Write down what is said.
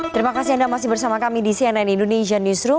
terima kasih anda masih bersama kami di cnn indonesian newsroom